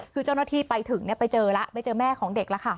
คือเจ้าหน้าที่ไปถึงไปเจอแล้วไปเจอแม่ของเด็กแล้วค่ะ